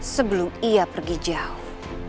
sebelum ia pergi jauh